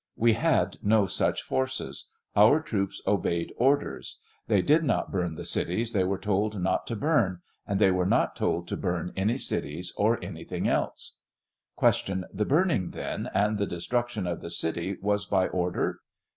We had no such forces ; our troops obeyed orders ; they did not burn cities they wer§ told not to burn, and they were not told to burn any cities, or anything else. Q, The burning, then, and the destruction of the city was by order